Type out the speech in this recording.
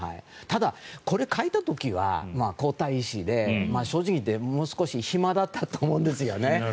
ただ、これを描いた時は皇太子で正直言ってもう少し暇だったと思うんです。